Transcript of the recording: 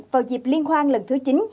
vào dịp liên hoan lần thứ chín